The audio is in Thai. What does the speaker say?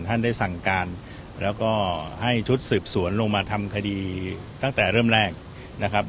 ท่านได้สั่งการแล้วก็ให้ชุดสืบสวนลงมาทำคดีตั้งแต่เริ่มแรกนะครับ